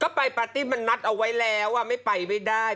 ก็ไปปาร์ตี้มันนัดเอาไว้แล้วไม่ไปไม่ได้